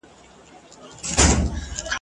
د ښکاري په لاس چاړه وه دم درحاله ..